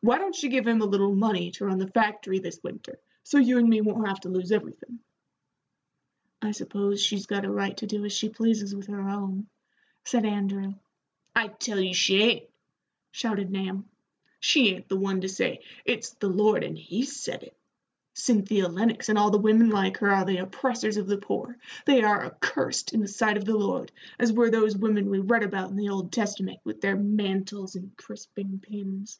Why don't she give him a little money to run the factory this winter, so you and me won't have to lose everythin'?" "I suppose she's got a right to do as she pleases with her own," said Andrew. "I tell you she ain't," shouted Nahum. "She ain't the one to say, 'It's the Lord, and He's said it.' Cynthia Lennox and all the women like her are the oppressors of the poor. They are accursed in the sight of the Lord, as were those women we read about in the Old Testament, with their mantles and crisping pins.